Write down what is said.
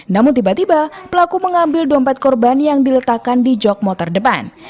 namun tiba tiba pelaku mengambil dompet korban yang diletakkan di jog motor depan